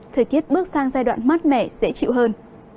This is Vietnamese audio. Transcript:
thời tiết bước sang giai đoạn mát mẻ dễ chịu hơn